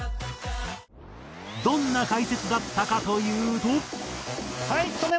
どんな解説だったかというと。